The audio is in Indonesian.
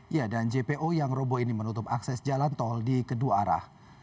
ya dan jpo yang robo ini menutup akses jalan tol di kedua arah